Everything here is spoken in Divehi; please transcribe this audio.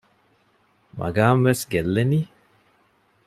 މަގާމް ވެސް ގެއްލެނީ؟